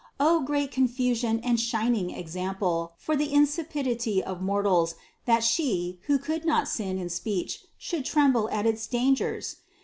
O great confusion and shining example for the insipidity of mortals, that She, who could not sin in speech, should tremble at its dangers!